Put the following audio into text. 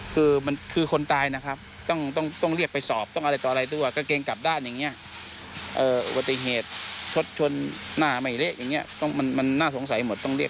คือมันคือคนตายนะครับต้องต้องต้องเรียกไปสอบต้องอะไรต่ออะไรตัวก็เกรงกลับด้านอย่างเงี้ย